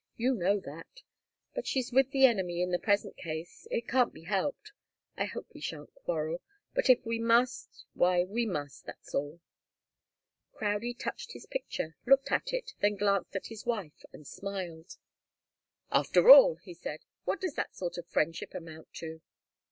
You know that. But she's with the enemy in the present case. It can't be helped. I hope we shan't quarrel. But if we must why, we must, that's all." Crowdie touched his picture, looked at it, then glanced at his wife and smiled. "After all," he said, "what does that sort of friendship amount to?"